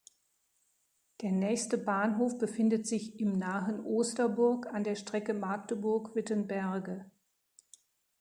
Der nächste Bahnhof befindet sich im nahen Osterburg an der Strecke Magdeburg–Wittenberge.